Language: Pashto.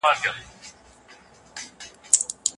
که ښوونکی مجازي مثالونه ورکړي، مفهوم غلط نه فهمېږي.